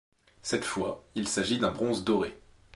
Cette fois, il s'agit d'un bronze doré.